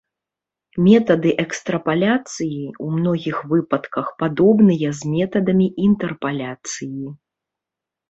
Метады экстрапаляцыі ў многіх выпадках падобныя з метадамі інтэрпаляцыі.